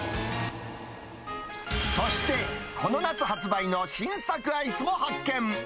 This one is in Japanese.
そして、この夏発売の新作アイスも発見。